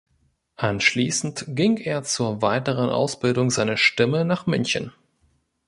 Anschließend ging er zur weiteren Ausbildung seiner Stimme nach München.